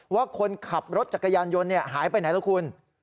ว่าคนขับรถจักรยานยนต์หายไปไหนแล้วคุณ